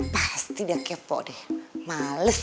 pasti dia kepok deh males